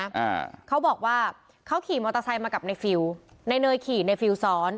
อ่าเขาบอกว่าเขาขี่มอเตอร์ไซค์มากับในฟิลล์ในเนยขี่ในฟิลซ้อน